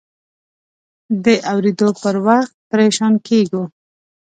د اورېدو پر وخت پریشان کېږو.